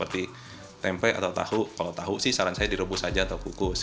tapi tempe atau tahu kalau tahu sih saran saya direbus aja atau kukus